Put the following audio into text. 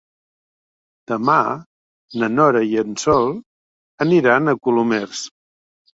Demà na Nora i en Sol aniran a Colomers.